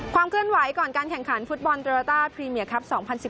เคลื่อนไหวก่อนการแข่งขันฟุตบอลโยต้าพรีเมียครับ๒๐๑๘